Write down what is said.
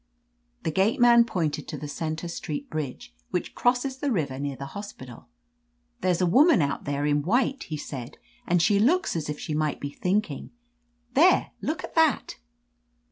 "The gate man pointed to the Center Street bridge, which crosses the river near the hos pital. There's a woman out there in white,' he said, 'and she looks as if she might be thinking — there, look at that!'